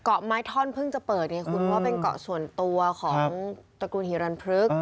เกาะไม้ท่อนเพิ่งจะเปิดอย่างนี้คุณว่าเป็นเกาะส่วนตัวของตระกูลหิรันพลึก